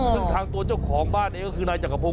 ซึ่งทางตัวเจ้าของบ้านเองก็คือนายจักรพงศ